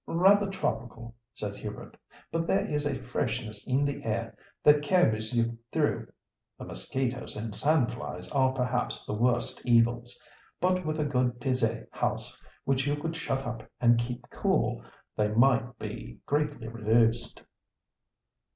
"Rather tropical," said Hubert; "but there is a freshness in the air that carries you through. The mosquitoes and sandflies, are perhaps the worst evils. But with a good pisé house, which you could shut up and keep cool, they might be greatly reduced."